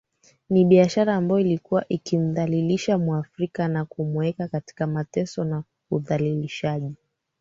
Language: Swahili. Ni biashara ambayo ilikuwa ikimdhalilisha mwaafrika na kumuweka katika mateso na udhaalilishaji